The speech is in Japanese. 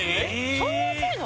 そんな安いの？